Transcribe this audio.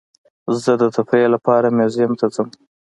زه د تفریح لپاره میوزیم ته ځم.